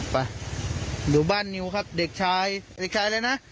ไปอยู่บ้านนิวครับเด็กชายเด็กชายอะไรนะ